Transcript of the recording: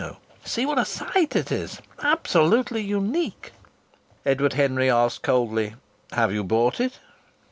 You see what a site it is absolutely unique." Edward Henry asked coldly: "Have you bought it?"